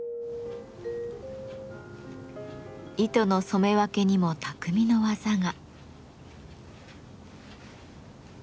糸の染め分けにも匠の技が。